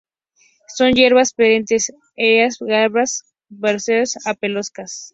Son hierbas perennes, erectas, glabras, glabrescentes o pelosas.